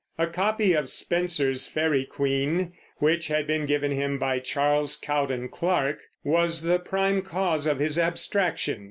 A copy of Spenser's Faery Queen, which had been given him by Charles Cowden Clark, was the prime cause of his abstraction.